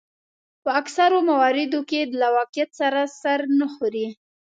په اکثرو مواردو کې له واقعیت سره سر نه خوري.